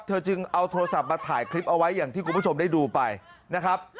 เธอจึงเอาโทรศัพท์มาถ่ายคลิปเอาไว้อย่างที่คุณผู้ชมได้ดูไปนะครับ